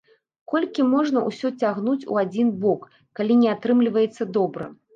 Колькі можна ўсё цягнуць у адзін бок, калі не атрымліваецца добра?!